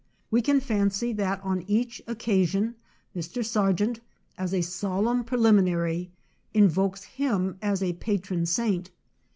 We can fancy that on each occasion Mr. Sargent, as a solemn preliminary, invokes Iwm as a patron saint.